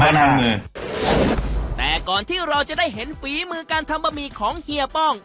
แต่ก่อนที่เราจะได้เห็นฝีมือการทำบะหมี่ของเฮียป้อง